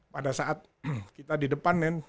pada saat kita di depan